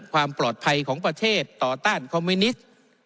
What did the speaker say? ความปลอดภัยของประเทศต่อต้านคอมมิวนิสต์